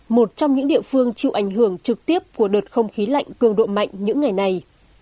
một trong những địa phương chịu ảnh hưởng trực tiếp của đợt không khí lạnh cường độ mạnh những ngày này